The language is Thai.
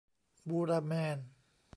บูราแมน